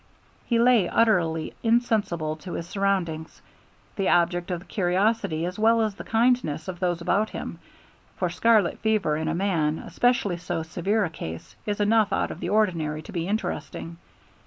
He lay, utterly insensible to his surroundings, the object of the curiosity, as well as the kindness, of those about him; for scarlet fever in a man, especially so severe a case, is enough out of the ordinary to be interesting.